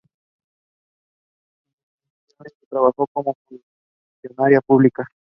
Inicialmente trabajó como funcionaria pública.